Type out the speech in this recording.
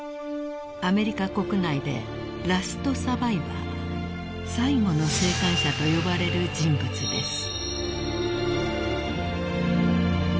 ［アメリカ国内でラストサバイバー最後の生還者と呼ばれる人物です］